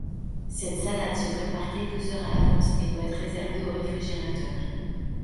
Cette salade se prépare quelques heures à l'avance et doit être réservée au réfrigérateur.